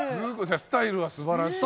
スタイルは素晴らしい。